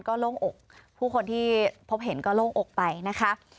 ก็โล่งอกผู้คนที่พบเห็นก็โล่งอกไปนะคะ